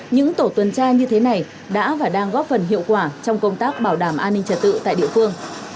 những tổ tuần tra như thế này đã và đang góp phần hiệu quả trong công tác bảo đảm an ninh trật tự tại địa phương